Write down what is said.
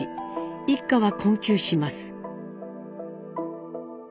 一家は困窮します。